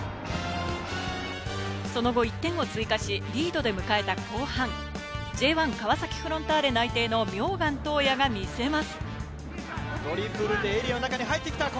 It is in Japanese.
１点を追加し、リードで迎えた後半、Ｊ１川崎フロンターレ内定の名願斗哉が見せます。